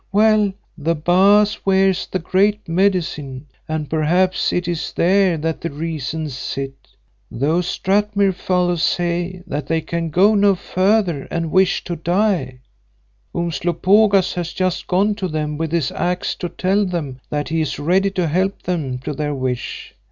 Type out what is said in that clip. Well, the Baas wears the Great Medicine and perhaps it is there that the reasons sit. Those Strathmuir fellows say that they can go no further and wish to die. Umslopogaas has just gone to them with his axe to tell them that he is ready to help them to their wish.